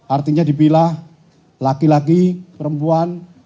artinya dipilah laki laki perempuan